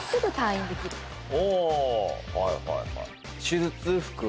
おぉはいはいはい。